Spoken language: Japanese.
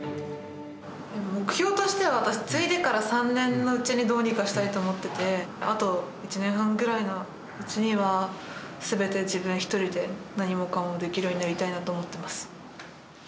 目標としては私、継いでから３年のうちにどうにかしたいと思ってて、あと１年半ぐらいのうちには、すべて自分一人で、何もかもできるようになりたいなと思っています。